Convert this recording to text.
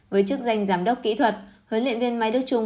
với chức danh giám đốc kỹ thuật huấn luyện viên mai đức trung